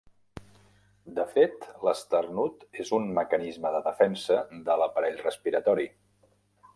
De fet, l'esternut és un mecanisme de defensa de l'aparell respiratori.